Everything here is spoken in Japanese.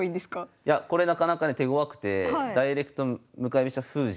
いやこれなかなかね手ごわくてダイレクト向かい飛車封じ。